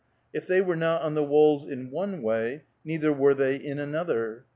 If they were not on the walls in one way neither were they in another.